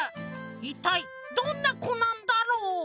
いったいどんなこなんだろう？